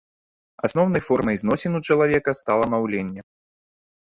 Асноўнай формай зносін у чалавека стала маўленне.